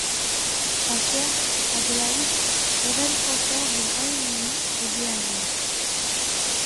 Sa sœur Adélaïde est reine consort du Royaume-Uni et de Hanovre.